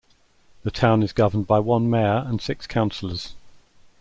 The town is governed by one mayor and six councillors.